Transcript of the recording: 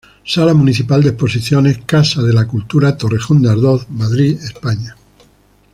Sala municipal de exposiciones Casa de la cultura Torrejón de Ardoz, Madrid, España.